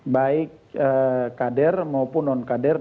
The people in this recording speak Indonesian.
baik kader maupun non kader